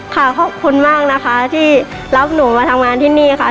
ขอบคุณมากนะคะที่รับหนูมาทำงานที่นี่ค่ะ